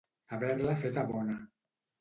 Haver-la feta bona.